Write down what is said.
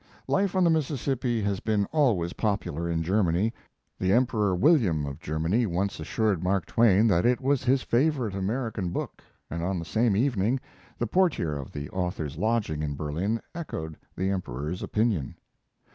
'Life on the Mississippi' has been always popular in Germany. The Emperor William of Germany once assured Mark Twain that it was his favorite American book, and on the same evening the portier of the author's lodging in Berlin echoed the Emperor's opinion.